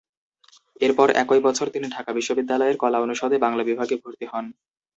এরপর একই বছর তিনি ঢাকা বিশ্ববিদ্যালয়ের কলা অনুষদে বাংলা বিভাগে ভর্তি হন।